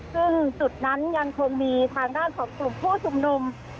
ซึ่งจุดนั้นยังคงมีทางด้านของกลุ่มผู้ชุมนุม